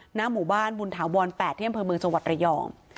หน้าหมู่บ้านบุญถาวร๘ที่อำเภอเมืองจังหวัดระยอง